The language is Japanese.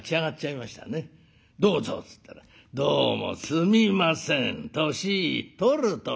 「どうぞ」っつったら「どうもすみません年取ると」